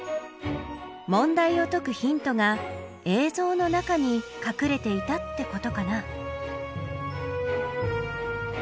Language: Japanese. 問題を解くヒントが映像の中にかくれていたってことかな？